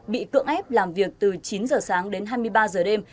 bị cưỡng ép làm việc từ chín giờ sáng đến hai mươi ba giờ đêm